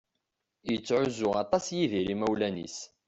Yettεuzzu aṭas Yidir imawlan-is.